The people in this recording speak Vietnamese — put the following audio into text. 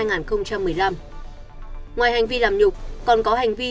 ngoài hành vi làm nhục còn có hành vi